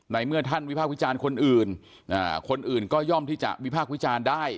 เมื่อท่านวิพากษ์วิจารณ์คนอื่นคนอื่นก็ย่อมที่จะวิพากษ์วิจารณ์ได้